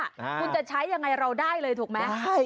คุณจะใช้ยังไงเราได้เลยถูกไหม